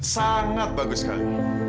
sangat bagus sekali